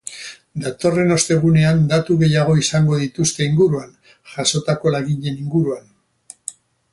Datorren ostegunean datu gehiago izango dituzte inguruan jasotako laginen inguruan.